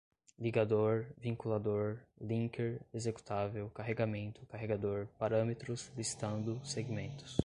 ligador, vinculador, linker, executável, carregamento, carregador, parâmetros, listando, segmentos